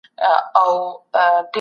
هغه سرتیري چي مېړانه نه لري ماتیږي.